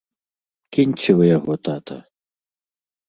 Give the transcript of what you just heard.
Кіньце вы яго, тата!